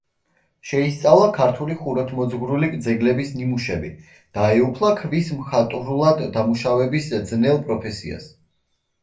შეისწავლა ქართული ხუროთმოძღვრული ძეგლების ნიმუშები, დაეუფლა ქვის მხატვრულად დამუშავების ძნელ პროფესიას.